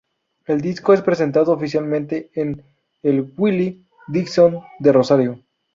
El disco es presentado oficialmente en el Willie Dixon de Rosario.